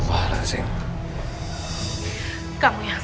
sekarang findet dua ceweknya itu